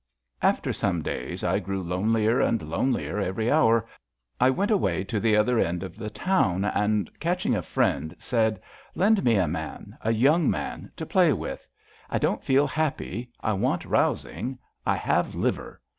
After some days — ^I grew lonelier and lonelier every hour — I went away to the other end of the town, and catching a friend, said: Lend me a man — a young man — to play with. I don't feel happy. I want rousing. I have liver.'